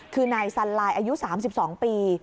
คือนายสันลายอายุ๓๒ปี